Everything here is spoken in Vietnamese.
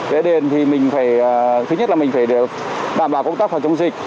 cái đền thì mình phải thứ nhất là mình phải đảm bảo công tác phòng chống dịch